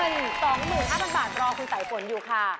เงิน๒หมื่น๕พันบาทรอคุณสายฝนอยู่ค่ะ